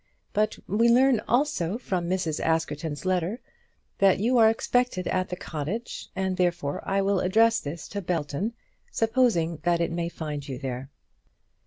But we learn, also, from Mrs. Askerton's letter, that you are expected at the cottage, and therefore I will address this to Belton, supposing that it may find you there.